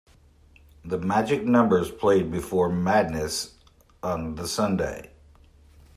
The Magic Numbers played before Madness on the Sunday.